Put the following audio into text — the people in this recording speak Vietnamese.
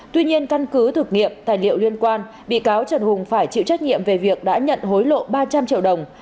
tuy nhiên căn cứ thực nghiệp tài liệu liên quan bị cáo trần hùng phải chịu trách nhiệm về việc đã nhận hối lộ ba trăm linh triệu đồng